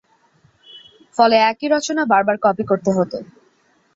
ফলে একই রচনা বারবার কপি করতে হতো।